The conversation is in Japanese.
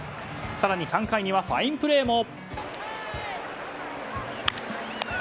更に３回にはファインプレーも。